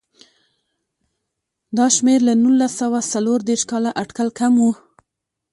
دا شمېر له نولس سوه څلور دېرش کال اټکل کم و.